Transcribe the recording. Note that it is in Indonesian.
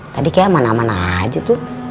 tadi kayak aman aman aja tuh